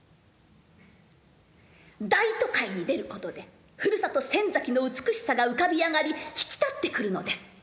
大都会に出ることでふるさと仙崎の美しさが浮かび上がり引き立ってくるのです。